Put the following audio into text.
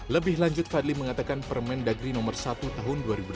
lebih lanjut fadli mengatakan permen dagri no satu tahun dua ribu delapan belas